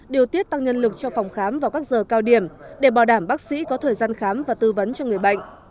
điều tiết tăng nhân lực cho phòng khám vào các giờ cao điểm để bảo đảm bác sĩ có thời gian khám và tư vấn cho người bệnh